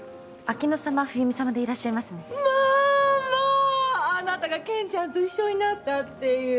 あなたが健ちゃんと一緒になったっていう？